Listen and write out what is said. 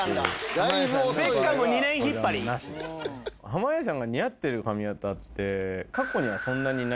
濱家さんが似合ってる髪形って。